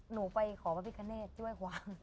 หนูไปขอพระพิคเนตช่วยกวาง